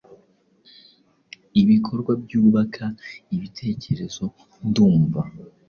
Ibikorwa byubaka ibitekerezo ndumva: